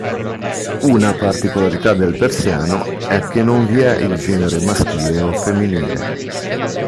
Una particolarità del persiano è che non vi è il genere maschile o femminile.